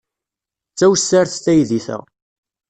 D tawessart teydit-a.